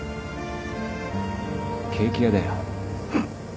ケーキ屋だよ。